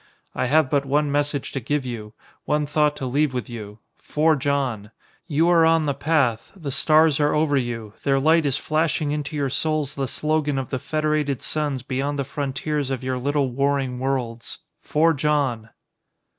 I have but one message to give you, one thought to leave with you forge on! You are on the path, the stars are over you, their light is flashing into your souls the slogan of the Federated Suns beyond the frontiers of your little warring worlds. Forge on!"